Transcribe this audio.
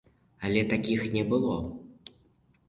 Але такіх не было!